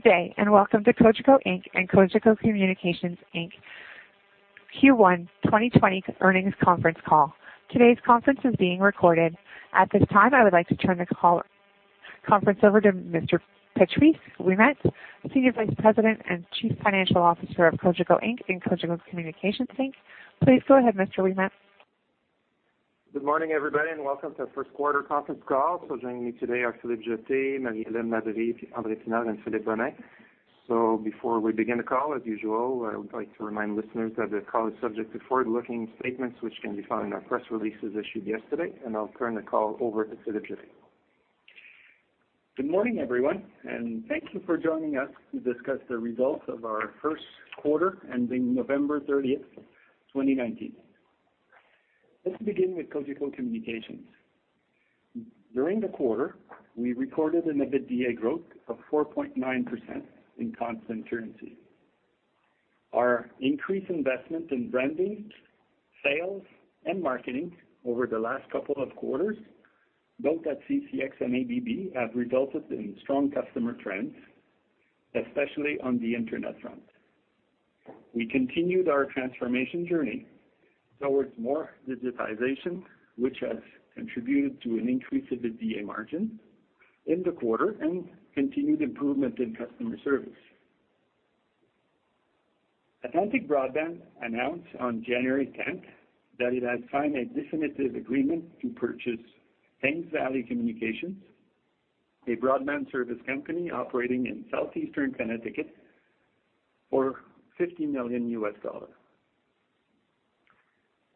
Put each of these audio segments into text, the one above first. Good day, and welcome to Cogeco Inc and Cogeco Communications Inc Q1 2020 earnings conference call. Today's conference is being recorded. At this time, I would like to turn the conference over to Mr. Patrice Ouimet, Senior Vice President and Chief Financial Officer of Cogeco Inc and Cogeco Communications Inc. Please go ahead, Mr. Ouimet. Good morning, everybody, and welcome to the first quarter conference call. Joining me today are Philippe Jetté, Marie-Hélène Labrie, André Thériault and Philippe Blais. Before we begin the call, as usual, I would like to remind listeners that the call is subject to forward-looking statements, which can be found in our press releases issued yesterday. I'll turn the call over to Philippe Jetté. Good morning, everyone, and thank you for joining us to discuss the results of our first quarter ending November 30th, 2019. Let's begin with Cogeco Communications. During the quarter, we recorded an EBITDA growth of 4.9% in constant currency. Our increased investment in branding, sales, and marketing over the last couple of quarters, both at CCX and ABB, have resulted in strong customer trends, especially on the internet front. We continued our transformation journey towards more digitization, which has contributed to an increase of EBITDA margin in the quarter and continued improvement in customer service. Atlantic Broadband announced on January 10th that it had signed a definitive agreement to purchase Thames Valley Communications, a broadband service company operating in southeastern Connecticut, for $50 million USD.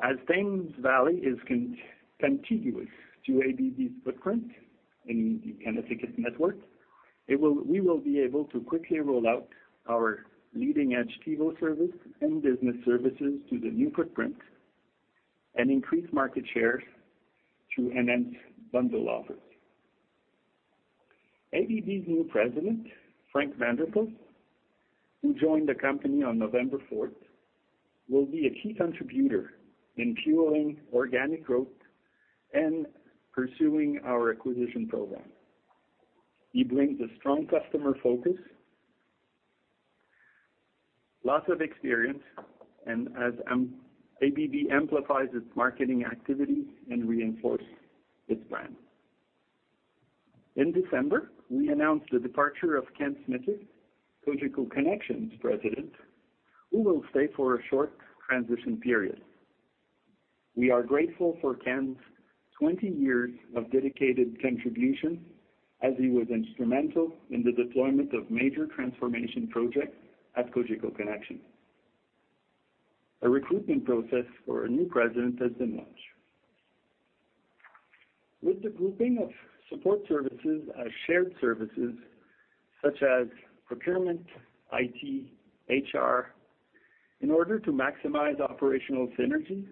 As Thames Valley is contiguous to ABB's footprint in the Connecticut network, we will be able to quickly roll out our leading-edge TiVo service and business services to the new footprint and increase market share through enhanced bundle offers. ABB's new president, Frank van der Post, who joined the company on November 4th, will be a key contributor in fueling organic growth and pursuing our acquisition program. He brings a strong customer focus, lots of experience, and as ABB amplifies its marketing activities and reinforce its brand. In December, we announced the departure of Ken Smithard, Cogeco Connexion's president, who will stay for a short transition period. We are grateful for Ken's 20 years of dedicated contribution, as he was instrumental in the deployment of major transformation projects at Cogeco Connexion. A recruitment process for a new president has been launched. With the grouping of support services as shared services such as procurement, IT, HR, in order to maximize operational synergy,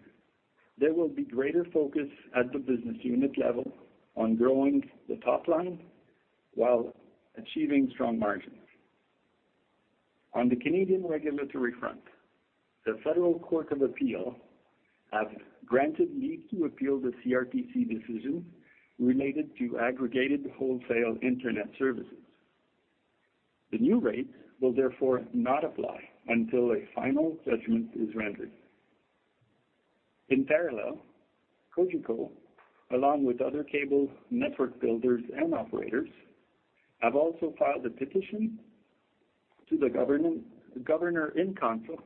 there will be greater focus at the business unit level on growing the top line while achieving strong margins. On the Canadian regulatory front, the Federal Court of Appeal have granted leave to appeal the CRTC decision related to aggregated wholesale internet services. The new rates will therefore not apply until a final judgment is rendered. In parallel, Cogeco, along with other cable network builders and operators, have also filed a petition to the Governor in Council,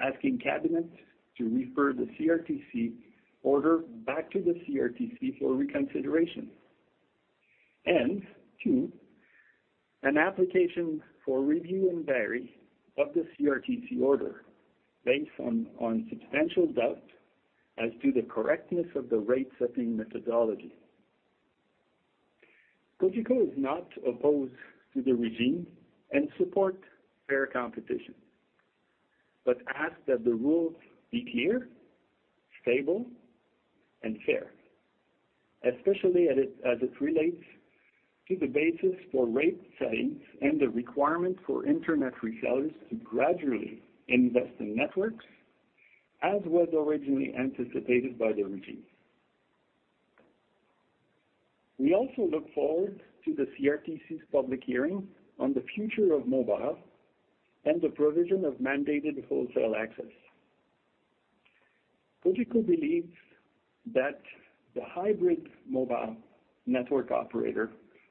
asking Cabinet to refer the CRTC order back to the CRTC for reconsideration. Two, an application for review and vary of the CRTC order based on substantial doubt as to the correctness of the rate-setting methodology. Cogeco is not opposed to the regime and support fair competition, but ask that the rules be clear, stable, and fair, especially as it relates to the basis for rate settings and the requirement for internet resellers to gradually invest in networks as was originally anticipated by the regime. We also look forward to the CRTC's public hearing on the future of mobile and the provision of mandated wholesale access. Cogeco believes that the Hybrid Mobile Network Operator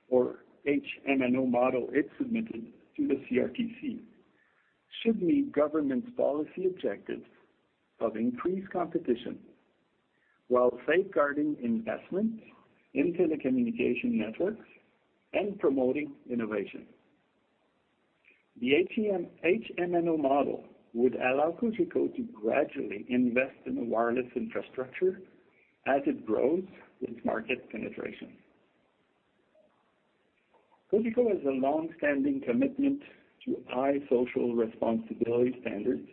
or HMNO model it submitted to the CRTC should meet government's policy objectives of increased competition while safeguarding investments in telecommunication networks and promoting innovation. The HMNO model would allow Cogeco to gradually invest in the wireless infrastructure as it grows its market penetration. Cogeco has a longstanding commitment to high social responsibility standards,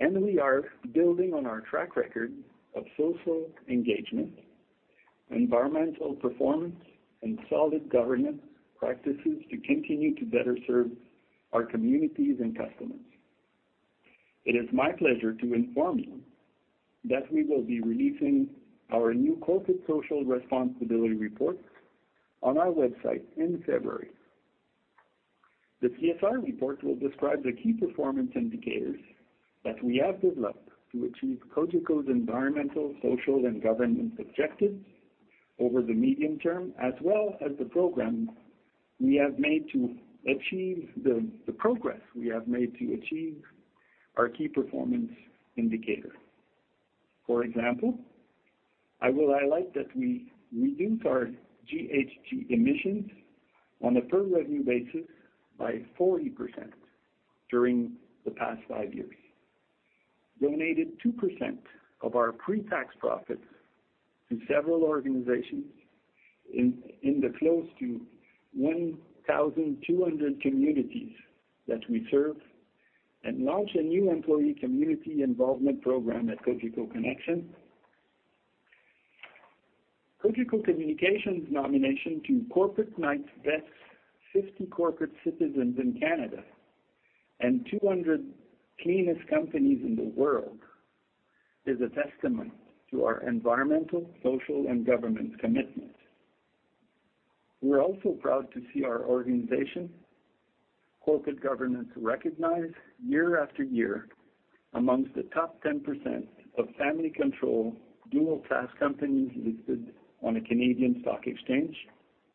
and we are building on our track record of social engagement, environmental performance, and solid governance practices to continue to better serve our communities and customers. It is my pleasure to inform you that we will be releasing our new corporate social responsibility report on our website in February. The CSR report will describe the key performance indicators that we have developed to achieve Cogeco's environmental, social, and governance objectives over the medium term, as well as the progress we have made to achieve our key performance indicators. For example, I will highlight that we reduced our GHG emissions on a per-revenue basis by 40% during the past five years, donated 2% of our pre-tax profits to several organizations in the close to 1,200 communities that we serve, and launched a new employee community involvement program at Cogeco Connexion. Cogeco Communications' nomination to Corporate Knights' Best 50 Corporate Citizens in Canada and 200 Cleanest Companies in the World is a testament to our environmental, social, and governance commitment. We're also proud to see our organization's corporate governance recognized year after year amongst the top 10% of family-controlled, dual-class companies listed on a Canadian stock exchange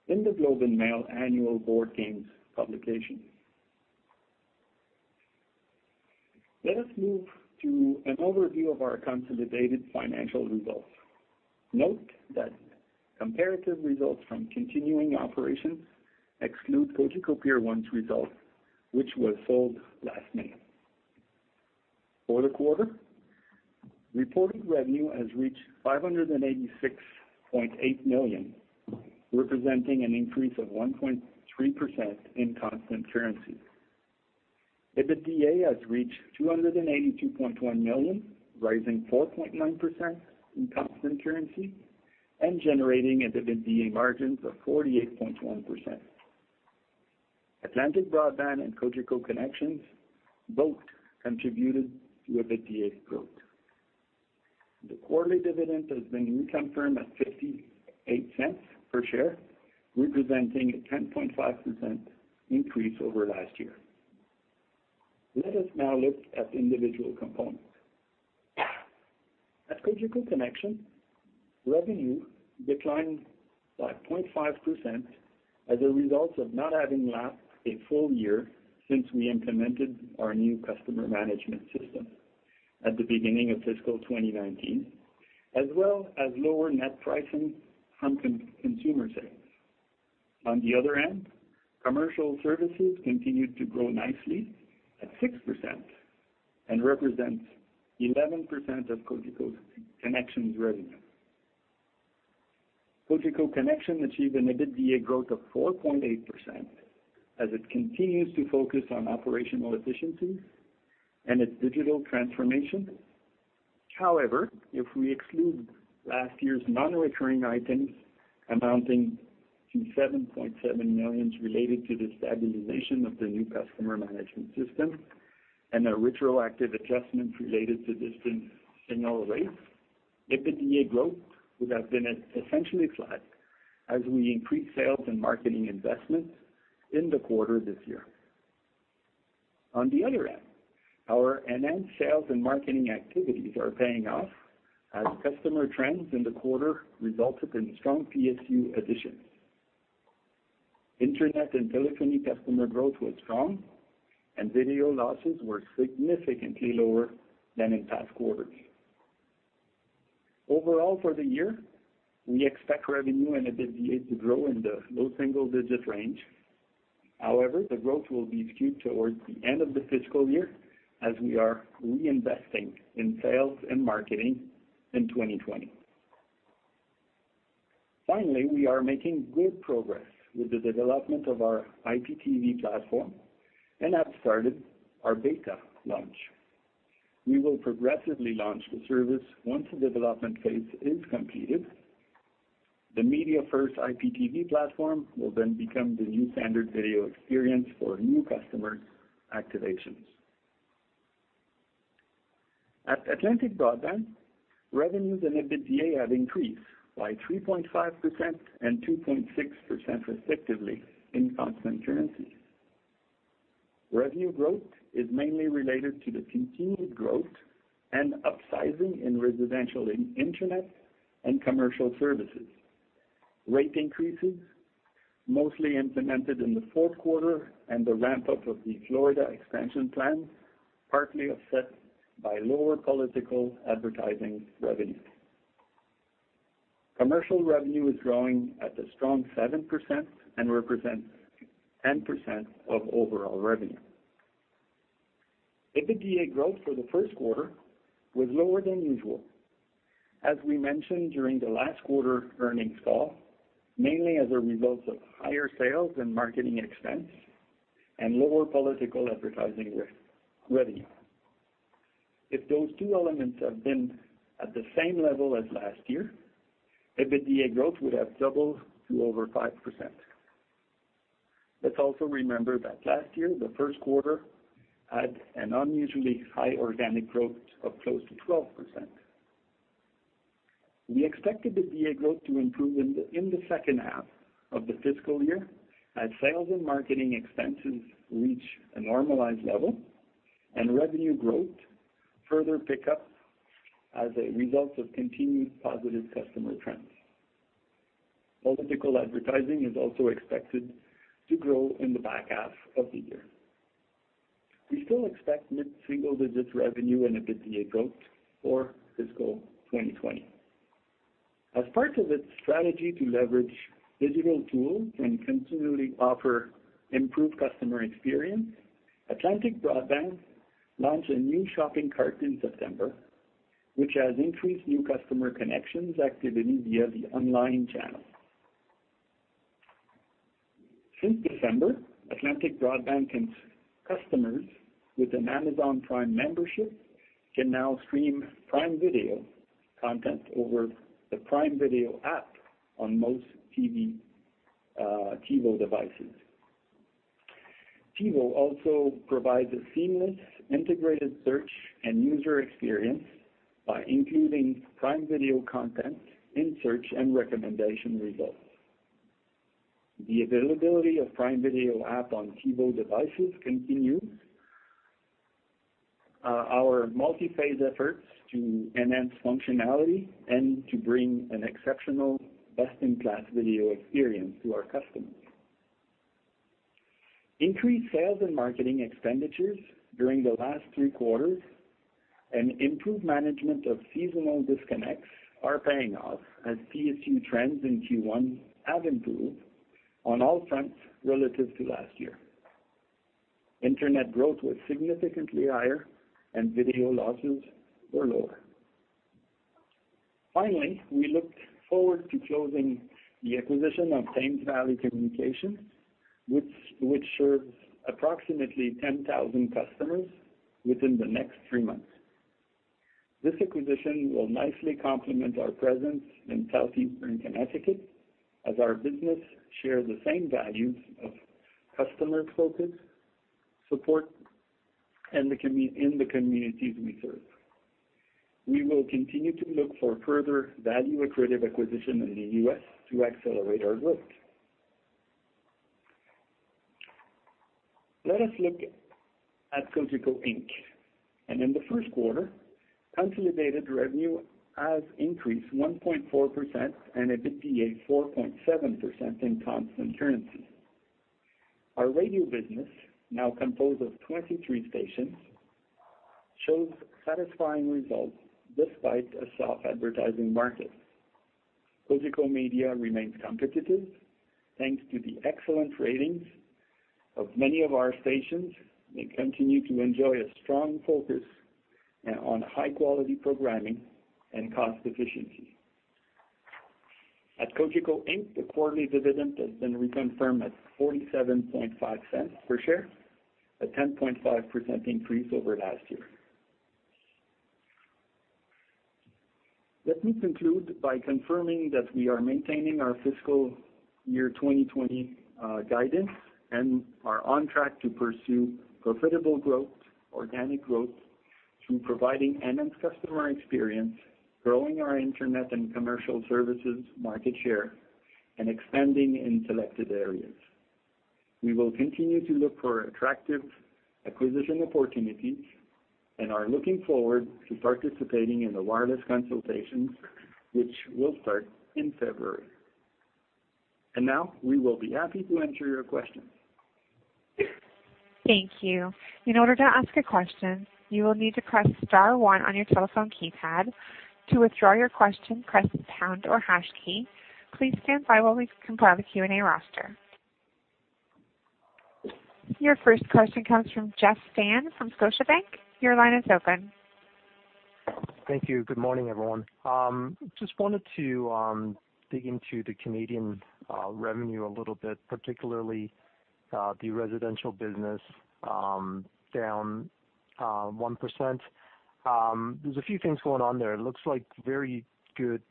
in The Globe and Mail annual Board Games publication. Let us move to an overview of our consolidated financial results. Note that comparative results from continuing operations exclude Cogeco Peer 1's results, which was sold last May. For the quarter, reported revenue has reached 586.8 million, representing an increase of 1.3% in constant currency. EBITDA has reached 282.1 million, rising 4.9% in constant currency and generating an EBITDA margin of 48.1%. Atlantic Broadband and Cogeco Connexion both contributed to EBITDA's growth. The quarterly dividend has been reconfirmed at 0.58 per share, representing a 10.5% increase over last year. Let us now look at the individual components. At Cogeco Connexion, revenue declined by 0.5% as a result of not having lapped a full year since we implemented our new customer management system at the beginning of fiscal 2019, as well as lower net pricing from consumer segments. On the other end, commercial services continued to grow nicely at 6% and represent 11% of Cogeco Connexion's revenue. Cogeco Connexion achieved an EBITDA growth of 4.8% as it continues to focus on operational efficiencies and its digital transformation. However, if we exclude last year's non-recurring items amounting to 7.7 million related to the stabilization of the new customer management system and a retroactive adjustment related to distant signal rates, EBITDA growth would have been essentially flat as we increased sales and marketing investments in the quarter this year. On the other end, our enhanced sales and marketing activities are paying off as customer trends in the quarter resulted in strong PSU additions. Internet and telephony customer growth was strong, and video losses were significantly lower than in past quarters. Overall, for the year, we expect revenue and EBITDA to grow in the low single-digit range. However, the growth will be skewed towards the end of the fiscal year as we are reinvesting in sales and marketing in 2020. Finally, we are making good progress with the development of our IPTV platform and have started our beta launch. We will progressively launch the service once the development phase is completed. The MediaFirst IPTV platform will then become the new standard video experience for new customer activations. At Atlantic Broadband, revenues and EBITDA have increased by 3.5% and 2.6%, respectively, in constant currency. Revenue growth is mainly related to the continued growth and upsizing in residential internet and commercial services. Rate increases mostly implemented in the fourth quarter and the ramp-up of the Florida expansion plans, partly offset by lower political advertising revenue. Commercial revenue is growing at a strong 7% and represents 10% of overall revenue. EBITDA growth for the first quarter was lower than usual. As we mentioned during the last quarter earnings call, mainly as a result of higher sales and marketing expense and lower political advertising revenue. If those two elements had been at the same level as last year, EBITDA growth would have doubled to over 5%. Let's also remember that last year, the first quarter had an unusually high organic growth of close to 12%. We expected the EBITDA growth to improve in the second half of the fiscal year as sales and marketing expenses reach a normalized level and revenue growth further pick up as a result of continued positive customer trends. Political advertising is also expected to grow in the back half of the year. We still expect mid-single-digit revenue and EBITDA growth for fiscal 2020. As part of its strategy to leverage digital tools and continually offer improved customer experience, Atlantic Broadband launched a new shopping cart in September, which has increased new customer connections activity via the online channel. Since December, Atlantic Broadband customers with an Amazon Prime membership can now stream Prime Video content over the Prime Video app on most TiVo devices. TiVo also provides a seamless, integrated search and user experience by including Prime Video content in search and recommendation results. The availability of Prime Video app on TiVo devices continues our multi-phase efforts to enhance functionality and to bring an exceptional best-in-class video experience to our customers. Increased sales and marketing expenditures during the last three quarters and improved management of seasonal disconnects are paying off as PSU trends in Q1 have improved on all fronts relative to last year. Internet growth was significantly higher and video losses were lower. Finally, we look forward to closing the acquisition of Thames Valley Communications, which serves approximately 10,000 customers within the next three months. This acquisition will nicely complement our presence in Southeastern Connecticut as our business share the same values of customer focus, support in the communities we serve. We will continue to look for further value-accretive acquisition in the U.S. to accelerate our growth. Let us look at Cogeco Inc. In the first quarter, consolidated revenue has increased 1.4% and EBITDA 4.7% in constant currency. Our radio business, now composed of 23 stations, shows satisfying results despite a soft advertising market. Cogeco Media remains competitive, thanks to the excellent ratings of many of our stations. We continue to enjoy a strong focus on high-quality programming and cost efficiency. At Cogeco Inc., the quarterly dividend has been reconfirmed at CAD 0.475 per share, a 10.5% increase over last year. Let me conclude by confirming that we are maintaining our FY 2020 guidance and are on track to pursue profitable growth, organic growth through providing enhanced customer experience, growing our internet and commercial services market share, and expanding in selected areas. We will continue to look for attractive acquisition opportunities and are looking forward to participating in the wireless consultations, which will start in February. Now, we will be happy to answer your questions. Thank you. In order to ask a question, you will need to press star one on your telephone keypad. To withdraw your question, press pound or hash key. Please stand by while we compile the Q&A roster. Your first question comes from Jeff Fan from Scotiabank. Your line is open. Thank you. Good morning, everyone. Just wanted to dig into the Canadian revenue a little bit, particularly the residential business down 1%. There is a few things going on there. It looks like very good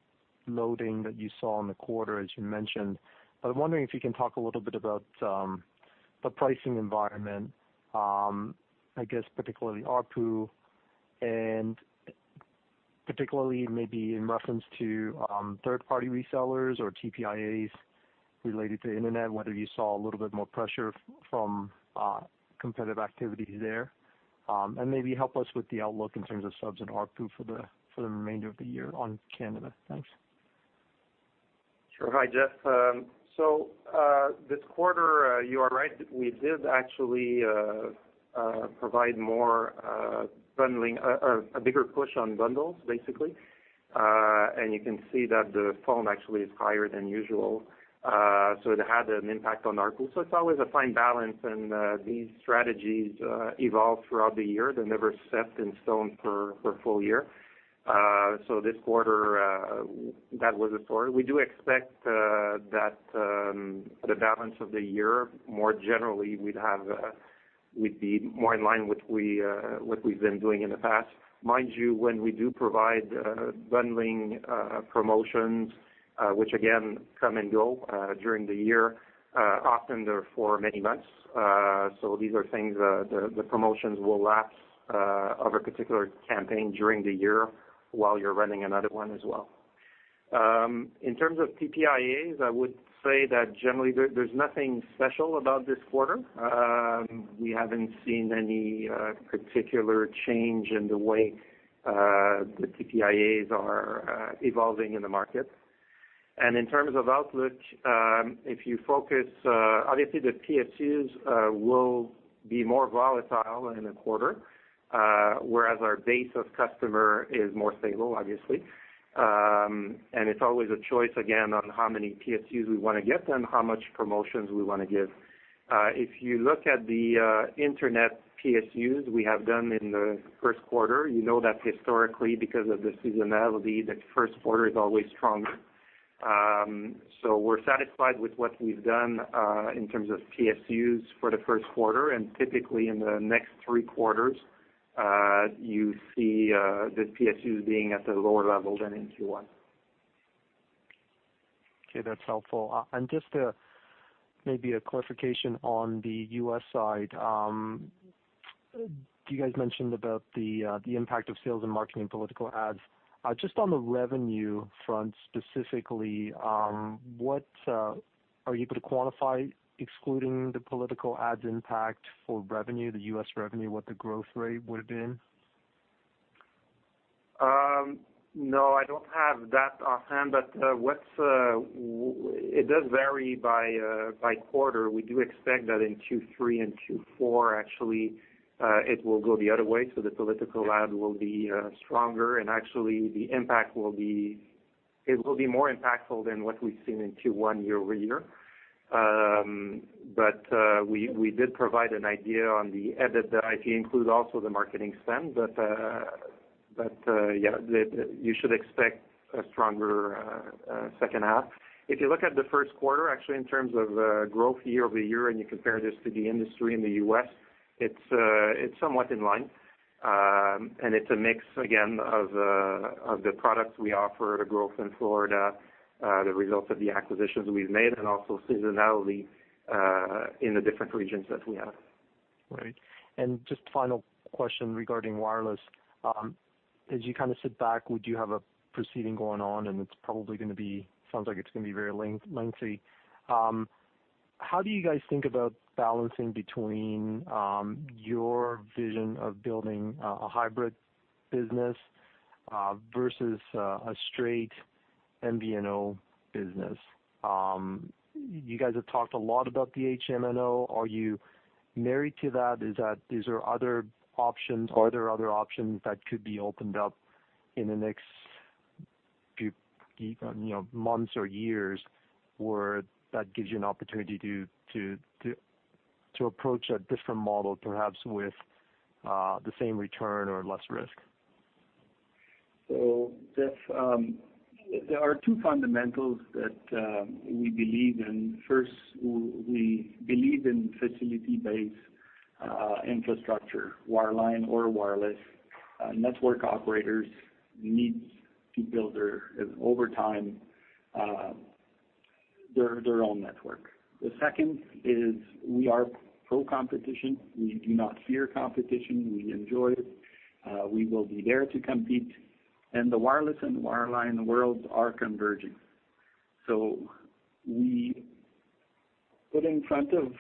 loading that you saw in the quarter as you mentioned. I was wondering if you can talk a little bit about the pricing environment, I guess particularly ARPU, and particularly maybe in reference to third-party resellers or TPIAs related to internet, whether you saw a little bit more pressure from competitive activity there. Maybe help us with the outlook in terms of subs and ARPU for the remainder of the year on Canada. Thanks. Sure. Hi, Jeff. This quarter, you are right. We did actually provide a bigger push on bundles, basically. You can see that the phone actually is higher than usual. It had an impact on ARPU. It's always a fine balance and these strategies evolve throughout the year. They're never set in stone for a full year. This quarter, that was the story. We do expect that the balance of the year, more generally, we'd have We'd be more in line with what we've been doing in the past. Mind you, when we do provide bundling promotions, which again, come and go during the year, often they're for many months. These are things, the promotions will last of a particular campaign during the year while you're running another one as well. In terms of TPIAs, I would say that generally there's nothing special about this quarter. We haven't seen any particular change in the way the TPIAs are evolving in the market. In terms of outlook, if you focus, obviously the PSUs will be more volatile in a quarter, whereas our base of customer is more stable, obviously. It's always a choice, again, on how many PSUs we want to get and how much promotions we want to give. If you look at the internet PSUs we have done in the first quarter, you know that historically, because of the seasonality, the first quarter is always stronger. We're satisfied with what we've done in terms of PSUs for the first quarter. Typically, in the next three quarters, you see the PSUs being at a lower level than in Q1. Okay, that's helpful. Just maybe a clarification on the U.S. side. You guys mentioned about the impact of sales and marketing political ads. Just on the revenue front, specifically, are you able to quantify, excluding the political ads impact for revenue, the U.S. revenue, what the growth rate would've been? I don't have that offhand, but it does vary by quarter. We do expect that in Q3 and Q4, actually, it will go the other way. The political ad will be stronger, and actually it will be more impactful than what we've seen in Q1 year-over-year. We did provide an idea on the edit that if you include also the marketing spend, you should expect a stronger second half. If you look at the first quarter, actually, in terms of growth year-over-year, and you compare this to the industry in the U.S., it's somewhat in line. It's a mix again, of the products we offer, the growth in Florida, the results of the acquisitions we've made, and also seasonality in the different regions that we have. Right. Just final question regarding wireless. As you sit back, you have a proceeding going on, and it probably sounds like it's going to be very lengthy. How do you guys think about balancing between your vision of building a hybrid business versus a straight MVNO business? You guys have talked a lot about the HMNO. Are you married to that? Are there other options that could be opened up in the next few months or years where that gives you an opportunity to approach a different model, perhaps with the same return or less risk? There are two fundamentals that we believe in. First, we believe in facility-based infrastructure, wireline or wireless. Network operators need to build over time their own network. The second is we are pro-competition. We do not fear competition. We enjoy it. We will be there to compete and the wireless and wireline worlds are converging. We put in front of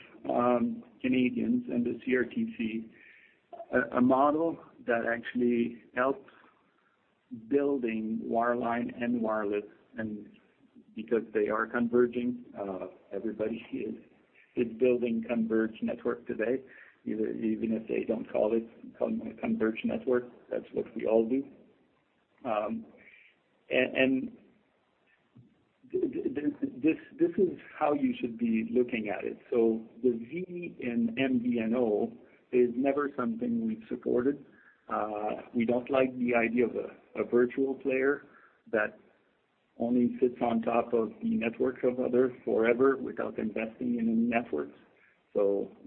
Canadians and the CRTC a model that actually helps building wireline and wireless and because they are converging, everybody is building converged network today, even if they don't call it converged network, that's what we all do. This is how you should be looking at it. The V in MVNO is never something we've supported. We don't like the idea of a virtual player that only sits on top of the networks of others forever without investing in any networks.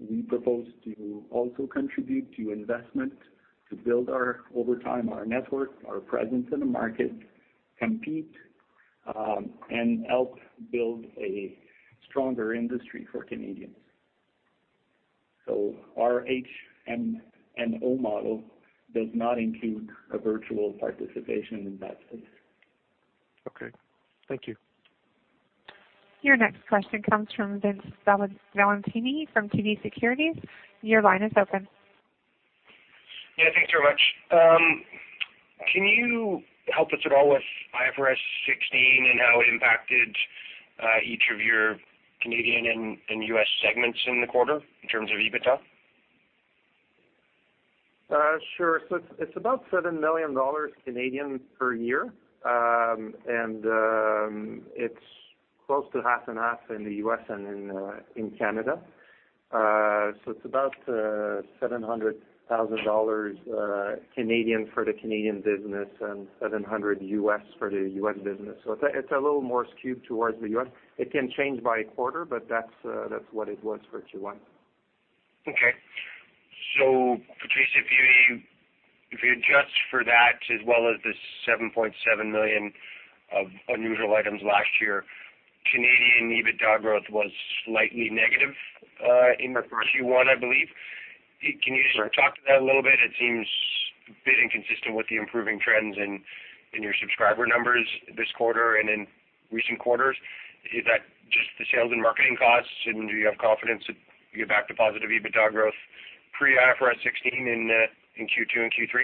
We propose to also contribute to investment to build over time our network, our presence in the market, compete, and help build a stronger industry for Canadians. Our HMNO model does not include a virtual participation in that space. Okay. Thank you. Your next question comes from Vince Valentini from TD Securities. Your line is open. Thanks very much. Can you help us at all with IFRS 16 and how it impacted each of your Canadian and U.S. segments in the quarter in terms of EBITDA? Sure. It's about 7 million Canadian dollars per year. It's close to half and half in the U.S. and in Canada. It's about 700,000 Canadian dollars for the Canadian business and $700,000 for the U.S. business. It's a little more skewed towards the U.S. It can change by quarter, but that's what it was for Q1. Patrice, if you adjust for that as well as the 7.7 million of unusual items last year, Canadian EBITDA growth was slightly negative in the first Q1, I believe. Sure. Can you just talk to that a little bit? It seems a bit inconsistent with the improving trends in your subscriber numbers this quarter and in recent quarters. Is that just the sales and marketing costs? Do you have confidence that you'll get back to positive EBITDA growth pre-IFRS 16 in Q2 and Q3?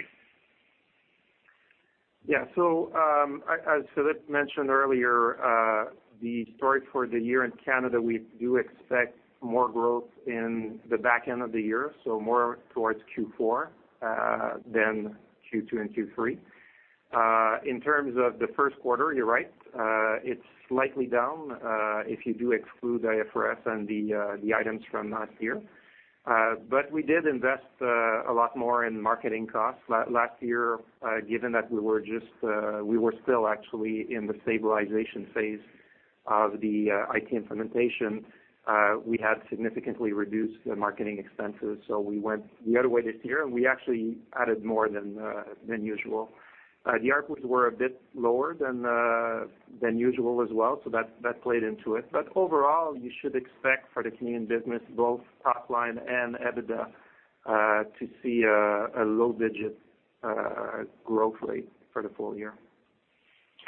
As Philippe mentioned earlier, the story for the year in Canada, we do expect more growth in the back end of the year, more towards Q4, than Q2 and Q3. In terms of the first quarter, you're right. It's slightly down, if you do exclude IFRS and the items from last year. We did invest a lot more in marketing costs. Last year, given that we were still actually in the stabilization phase of the IT implementation, we had significantly reduced the marketing expenses. We went the other way this year, and we actually added more than usual. The ARPU were a bit lower than usual as well, so that played into it. Overall, you should expect for the Canadian business, both top line and EBITDA, to see a low-digit growth rate for the full year.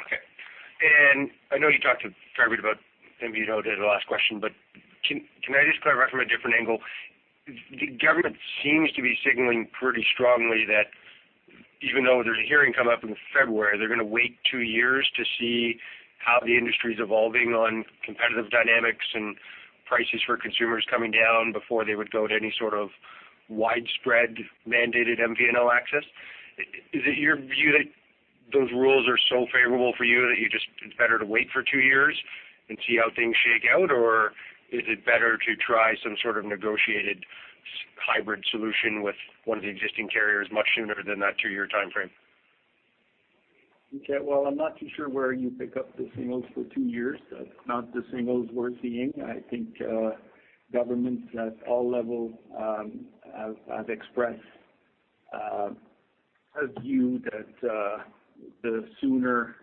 Okay. I know you talked to [Tyrie] about MVNO in the last question, but can I just clarify from a different angle? The government seems to be signaling pretty strongly that even though there's a hearing come up in February, they're going to wait two years to see how the industry's evolving on competitive dynamics and prices for consumers coming down before they would go to any sort of widespread mandated MVNO access. Is it your view that those rules are so favorable for you that it's better to wait for two years and see how things shake out? Is it better to try some sort of negotiated hybrid solution with one of the existing carriers much sooner than that two-year timeframe? Okay. Well, I'm not too sure where you pick up the signals for two years. That's not the signals we're seeing. I think governments at all levels have expressed a view that the sooner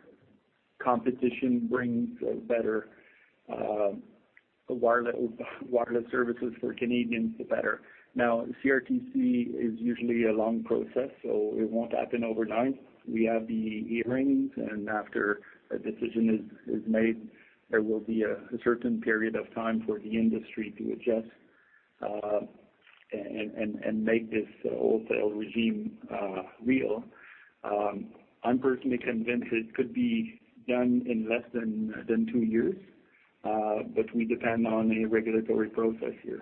competition brings better wireless services for Canadians, the better. CRTC is usually a long process, so it won't happen overnight. We have the hearings, and after a decision is made, there will be a certain period of time for the industry to adjust and make this wholesale regime real. I'm personally convinced it could be done in less than two years. We depend on a regulatory process here.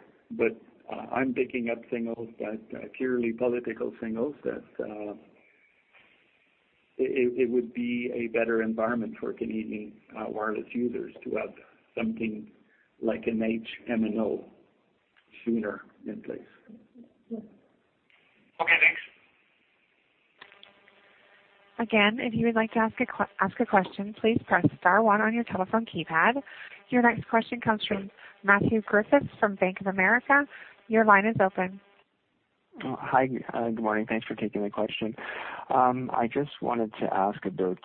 I'm picking up signals that, purely political signals, that it would be a better environment for Canadian wireless users to have something like an HMNO sooner in place. Okay, thanks. Again, if you would like to ask a question, please press *1 on your telephone keypad. Your next question comes from Matthew Griffiths from Bank of America. Your line is open. Hi. Good morning. Thanks for taking the question. I just wanted to ask about,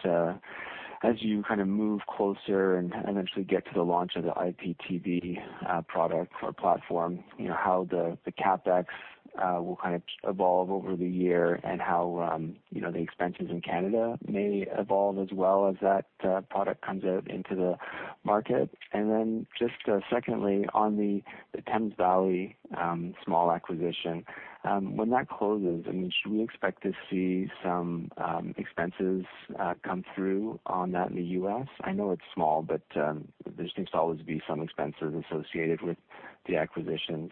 as you move closer and eventually get to the launch of the IPTV product or platform, how the CapEx will evolve over the year and how the expenses in Canada may evolve as well as that product comes out into the market. Just secondly, on the Thames Valley small acquisition. When that closes, should we expect to see some expenses come through on that in the U.S.? I know it's small, but there seems to always be some expenses associated with the acquisitions.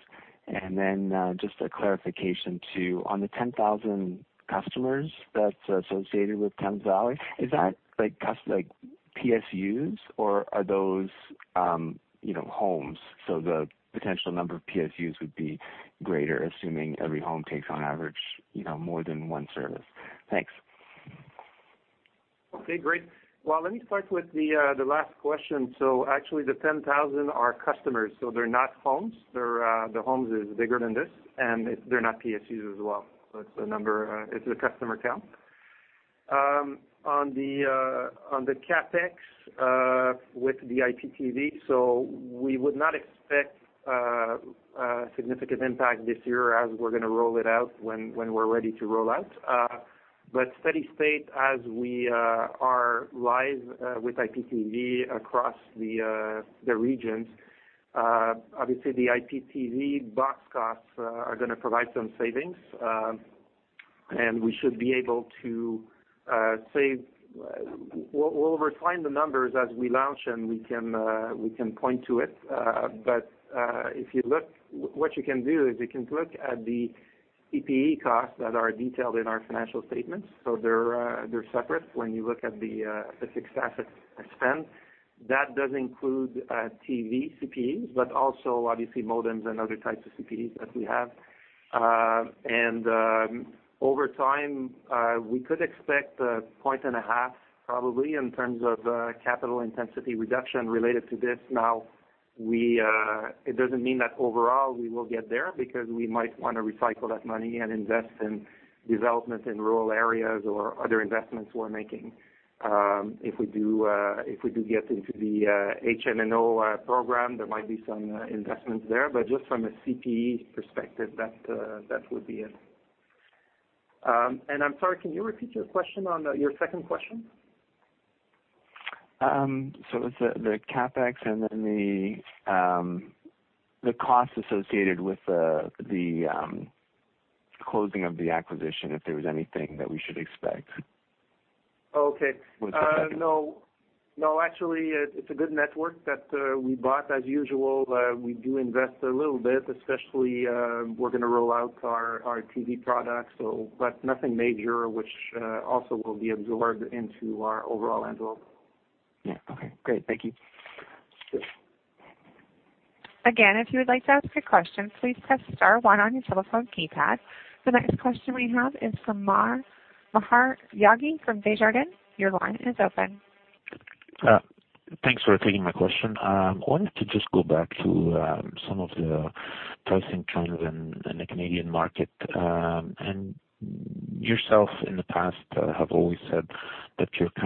Just a clarification, too. On the 10,000 customers that's associated with Thames Valley, is that PSUs, or are those homes? So the potential number of PSUs would be greater, assuming every home takes on average more than one service. Thanks. Okay, great. Well, let me start with the last question. Actually, the 10,000 are customers, they're not homes. The homes is bigger than this, and they're not PSUs as well. It's a customer count. On the CapEx with the IPTV, we would not expect a significant impact this year as we're going to roll it out when we're ready to roll out. Steady state as we are live with IPTV across the regions. Obviously, the IPTV box costs are going to provide some savings. We'll refine the numbers as we launch, and we can point to it. What you can do is you can look at the CPE costs that are detailed in our financial statements. They're separate when you look at the fixed asset spend. That does include TV CPEs, but also obviously modems and other types of CPEs that we have. Over time, we could expect a point and a half probably in terms of capital intensity reduction related to this. Now it doesn't mean that overall we will get there, because we might want to recycle that money and invest in development in rural areas or other investments we're making. If we do get into the HMNO Program, there might be some investments there, but just from a CPE perspective, that would be it. I'm sorry, can you repeat your second question? It's the CapEx and then the cost associated with the closing of the acquisition, if there was anything that we should expect. Okay. What's the second? No. Actually, it's a good network that we bought. As usual, we do invest a little bit, especially, we're going to roll out our TV products, but nothing major, which also will be absorbed into our overall envelope. Yeah. Okay, great. Thank you. Sure. Again, if you would like to ask a question, please press star one on your telephone keypad. The next question we have is from Maher Yaghi from Desjardins. Your line is open. Thanks for taking my question. Yourself, in the past, have always said that you look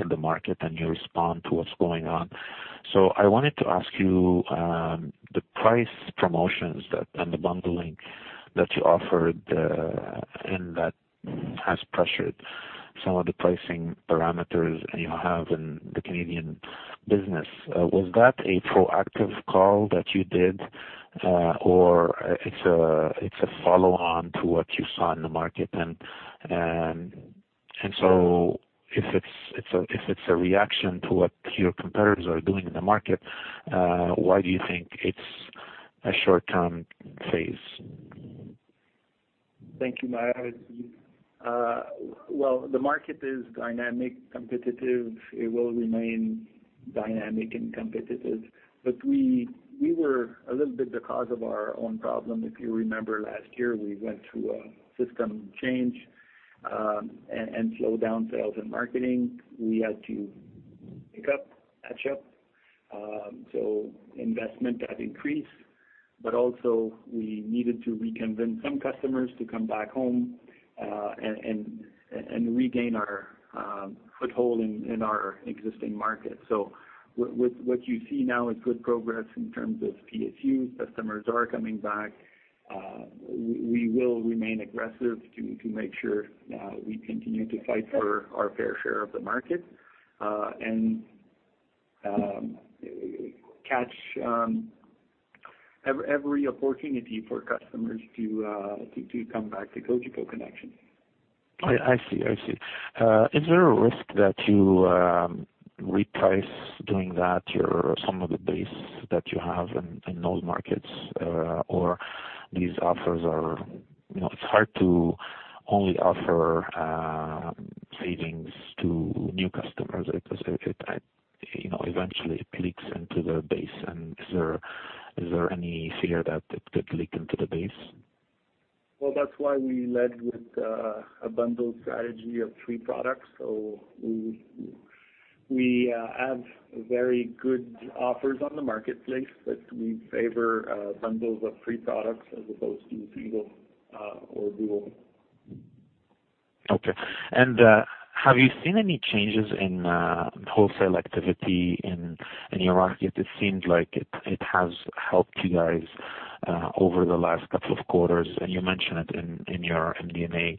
at the market and you respond to what's going on. I wanted to ask you, the price promotions and the bundling that you offered and that has pressured some of the pricing parameters, and you have in the Canadian business, was that a proactive call that you did or it's a follow-on to what you saw in the market? If it's a reaction to what your competitors are doing in the market, why do you think it's a short-term phase? Thank you, Maher. Well, the market is dynamic, competitive. It will remain dynamic and competitive. We were a little bit the cause of our own problem. If you remember last year, we went through a system change and slowed down sales and marketing. We had to pick up, catch up. Investment had increased, but also we needed to reconvince some customers to come back home and regain our foothold in our existing market. What you see now is good progress in terms of PSUs. Customers are coming back. We will remain aggressive to make sure we continue to fight for our fair share of the market, and catch every opportunity for customers to come back to Cogeco Connexion. I see. Is there a risk that you reprice doing that, some of the base that you have in those markets or these offers are it's hard to only offer savings to new customers at a certain time. Eventually, it leaks into the base. Is there any fear that it could leak into the base? Well, that's why we led with a bundle strategy of three products. We have very good offers on the marketplace, but we favor bundles of three products as opposed to single or dual. Okay. Have you seen any changes in wholesale activity in your market? It seems like it has helped you guys over the last couple of quarters, and you mentioned it in your MD&A.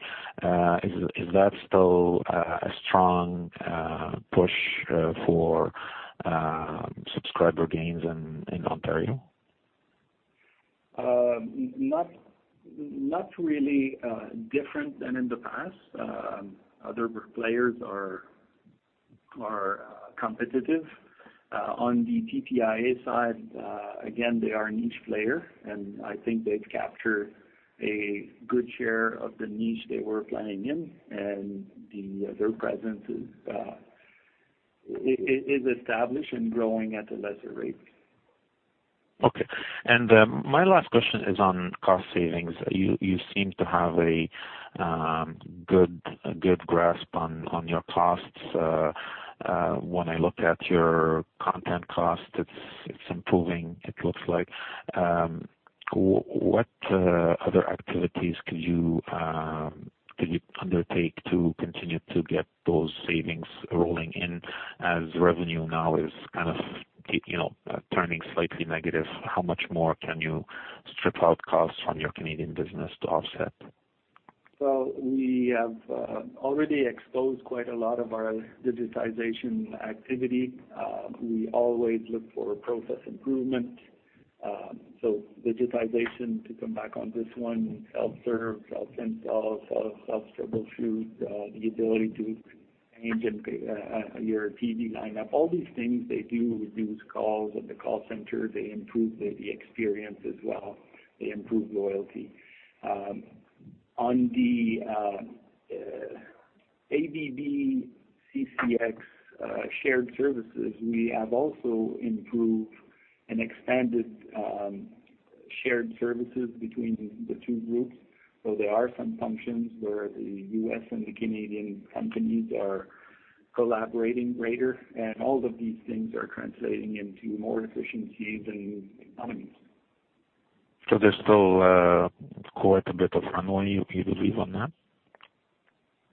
Is that still a strong push for subscriber gains in Ontario? Not really different than in the past. Other players are competitive. On the TPIA side, again, they are a niche player, and I think they've captured a good share of the niche they were playing in, and their presence is established and growing at a lesser rate. Okay. My last question is on cost savings. You seem to have a good grasp on your costs. When I look at your content cost, it's improving, it looks like. What other activities could you undertake to continue to get those savings rolling in as revenue now is turning slightly negative? How much more can you strip out costs from your Canadian business to offset? We have already exposed quite a lot of our digitization activity. We always look for process improvement. Digitization, to come back on this one, self-serve, self-cancel, self-troubleshoot, the ability to change your TV lineup, all these things they do reduce calls at the call center. They improve the experience as well. They improve loyalty. On the ABB, CCX shared services, we have also improved and expanded shared services between the two groups. There are some functions where the U.S. and the Canadian companies are collaborating greater, and all of these things are translating into more efficiencies and economies. There's still quite a bit of runway you believe on that?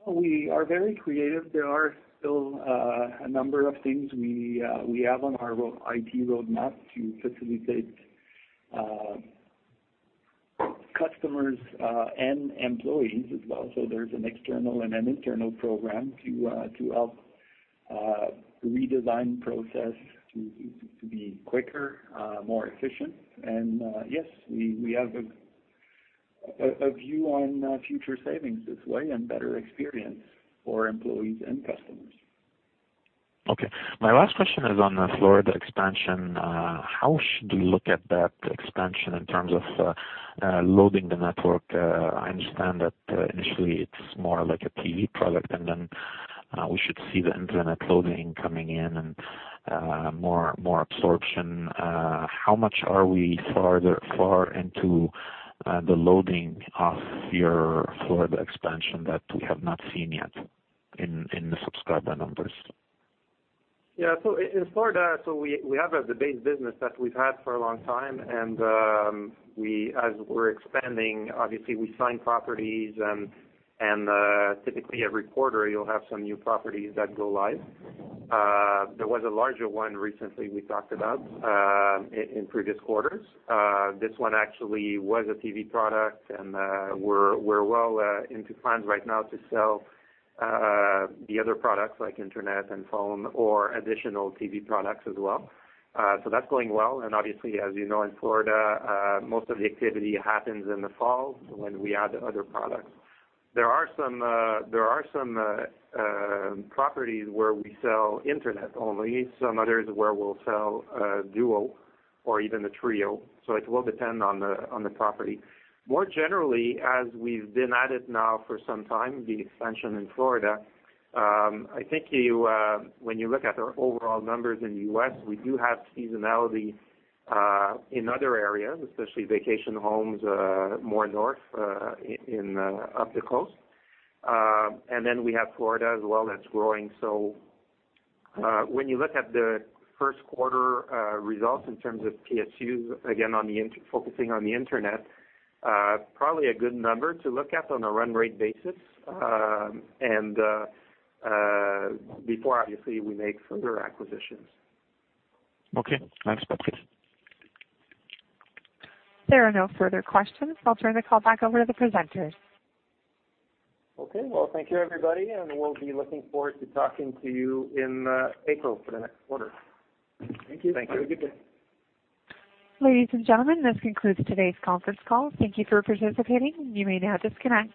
We are very creative. There are still a number of things we have on our IT roadmap to facilitate customers and employees as well. There's an external and an internal program to help redesign process to be quicker, more efficient. Yes, we have a view on future savings this way and better experience for employees and customers. Okay. My last question is on the Florida expansion. How should we look at that expansion in terms of loading the network? I understand that initially it is more like a TV product, and then we should see the internet loading coming in and more absorption. How much are we far into the loading of your Florida expansion that we have not seen yet in the subscriber numbers? Yeah. In Florida, we have the base business that we've had for a long time. As we're expanding, obviously we sign properties and typically every quarter you'll have some new properties that go live. There was a larger one recently we talked about in previous quarters. This one actually was a TV product and we're well into plans right now to sell the other products like internet and phone or additional TV products as well. That's going well. Obviously, as you know, in Florida, most of the activity happens in the fall when we add other products. There are some properties where we sell internet only, some others where we'll sell a duo or even a trio. It will depend on the property. More generally, as we've been at it now for some time, the expansion in Florida, I think when you look at our overall numbers in the U.S., we do have seasonality in other areas, especially vacation homes more north up the coast. We have Florida as well that's growing. When you look at the first quarter results in terms of PSUs, again, focusing on the internet, probably a good number to look at on a run rate basis and before obviously we make further acquisitions. Okay. Thanks, Patrice. There are no further questions. I'll turn the call back over to the presenters. Okay. Well, thank you everybody. We'll be looking forward to talking to you in April for the next quarter. Thank you. Thank you. Have a good day. Ladies and gentlemen, this concludes today's conference call. Thank you for participating. You may now disconnect.